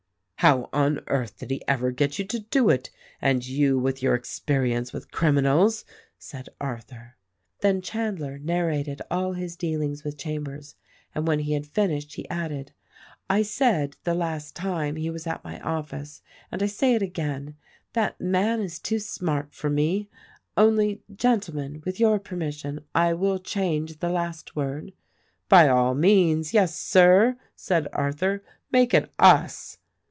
"How on earth did he ever get you to do it? and you with your experience with criminals!" said Arthur. Then Chandler narrated all his dealings with Cham bers, and when he had finished he added, "I said, the last time he was at my office, and I say it again, 'That man is too smart' for me, — only, Gentlemen, with your permission, I will change the last word." "By all means! yes, Sir," said Arthur, "make it US."